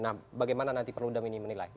nah bagaimana nanti perludem ini menilai